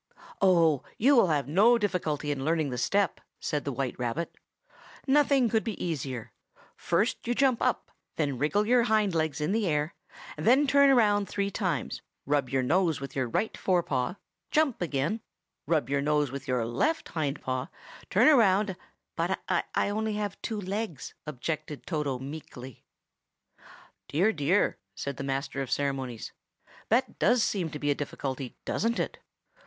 "Oh, you will have no difficulty in learning the step," said the white rabbit. "Nothing could be easier: first you jump up, then wriggle your hind legs in the air, then turn round three times, rub your nose with your right fore paw, jump again, rub your nose with your left hind paw, turn round—" "But I have only two legs," objected Toto meekly. "Would you like to dance?" "Dear, dear!" said the master of ceremonies. "That does seem to be a difficulty, doesn't it?